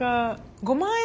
５万円